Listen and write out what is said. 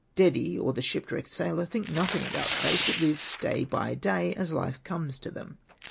Dedi or the shipwrecked sailor think nothing about fate, but live day by day as life comes to them.